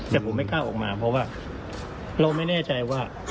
แต่ผมไม่กล้าออกมาเพราะว่าเราไม่แน่ใจว่า